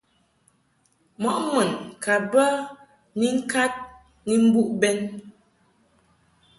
Mɔʼ mun ka bə ni ŋkad ni mbuʼ bɛn.